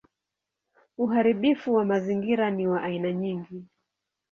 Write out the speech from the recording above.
Uharibifu wa mazingira ni wa aina nyingi.